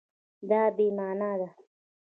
دا بې مانا ده